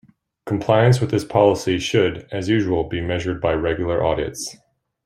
Compliance with this policy should, as usual, be measured by regular audits.